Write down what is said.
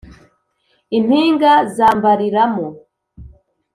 Impinga zambariramo